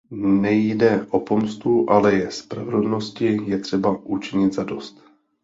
Nejde o pomstu, ale je spravedlnosti je třeba učinit zadost.